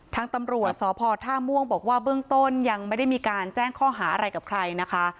ทางตำรวจสพท่าม่วงบอกว่าเบื้องต้นยังไม่ได้มีการแจ้งข้อหาอะไรกับใครนะคะ